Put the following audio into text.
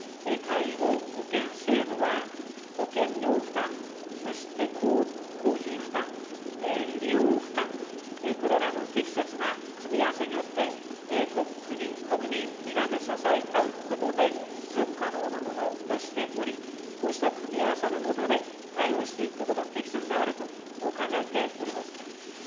介護保険制度は、保険料負担、そして公費負担、利用負担、これらの適切な組み合わせによって、国、国民、皆で支え合うことによって、持続可能なものとしており、こうした組み合わせの下で、対応していくことが適切であると考えております。